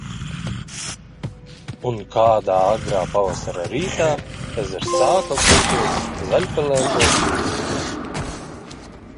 Un kādā agrā pavasara rītā, ezers sāka kulties zaļpelēkos viļņos.